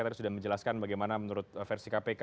tadi sudah menjelaskan bagaimana menurut versi kpk